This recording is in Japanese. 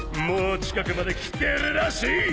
もう近くまで来てるらしい！